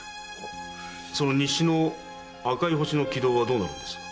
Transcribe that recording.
その西の赤い星の軌道はどうなるのです？